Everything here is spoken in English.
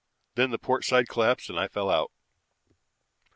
Then the port side collapsed and I fell out.